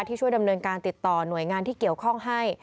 ช่วยดำเนินการติดต่อหน่วยงานที่เกี่ยวข้องให้